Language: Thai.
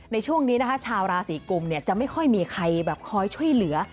ในช่วงนี้นะคะชาวราศีกุมจะไม่ค่อยมีใครแบบคอยช่วยเหลือ